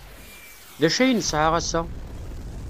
D acu ay nesɛa ass-a?